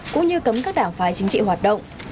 cũng như cấm các đảng phái chính trị hoạt động